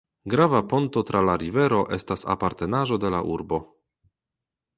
Grava ponto tra la rivero estas apartenaĵo de la urbo.